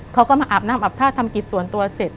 เขาก็มาอาบน้ำอาบท่าทำกิจส่วนตัวเสร็จ